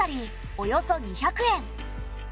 およそ２００円。